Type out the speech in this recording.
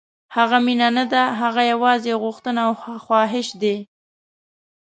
هغه مینه نه ده، هغه یوازې یو غوښتنه او خواهش دی.